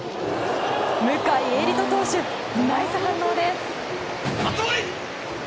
向井恵理登投手ナイス反応です。